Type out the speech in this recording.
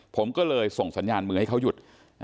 ผมก็เลยส่งสัญญาณมือให้เขาหยุด